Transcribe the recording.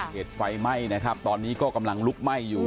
เหตุไฟไหม้นะครับตอนนี้ก็กำลังลุกไหม้อยู่